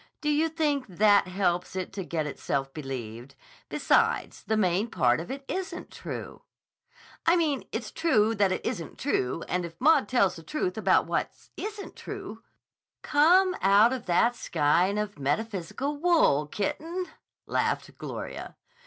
Do you think that helps it to get itself believed? Besides, the main part of it isn't true." "I mean it's true that it isn't true, and if Maud tells the truth about what isn't true—" "Come out of that skein of metaphysical wool, kitten," laughed Gloria.